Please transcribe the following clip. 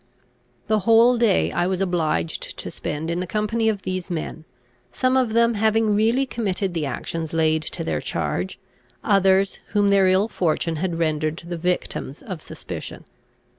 ] The whole day I was obliged to spend in the company of these men, some of them having really committed the actions laid to their charge, others whom their ill fortune had rendered the victims of suspicion.